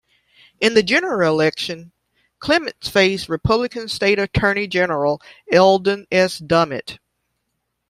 In the general election, Clements faced Republican state attorney general Eldon S. Dummit.